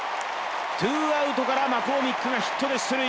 ツーアウトからマコーミックがヒットで出塁。